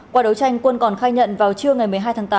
qua đấu tranh quân còn khai nhận vào trưa ngày một mươi hai tháng tám